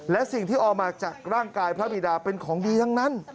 และสิ่งที่ออกมาจากร่างกายพระบิดาเป็นของดีทั้งนั้น